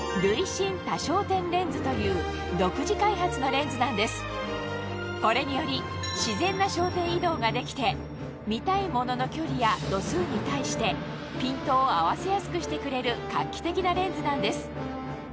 レンズの中心から外側に向かってこれにより自然な焦点移動ができて見たいものの距離や度数に対してピントを合わせやすくしてくれる画期的なレンズなんです